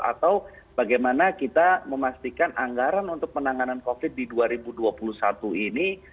atau bagaimana kita memastikan anggaran untuk penanganan covid di dua ribu dua puluh satu ini